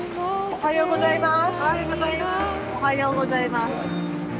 ・おはようございます。